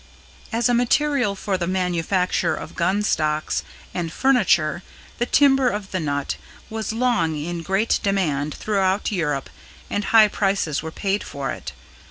As a material for the manufacture of gunstocks and furniture the timber of the nut was long in great demand throughout Europe and high prices were paid for it.